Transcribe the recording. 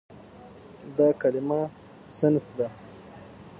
دا کلمه "صنف" ده.